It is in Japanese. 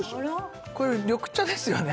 これ緑茶ですよね？